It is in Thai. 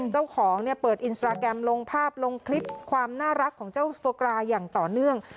เจ้าของเนี่ยเปิดอินสตราแกรมลงภาพลงคลิปความน่ารักของเจ้าโฟกราอย่างต่อเนื่อง